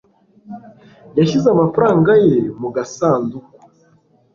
Yashyize amafaranga ye mu gasanduku.